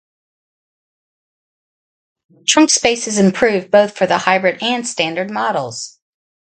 Trunk space is improved both for the hybrid and standard models.